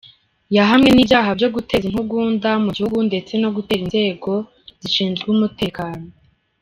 Yahamwe n’ibyaha byo guteza intugunda mu gihugu ndetse no gutera inzego zishinzwe umutekano.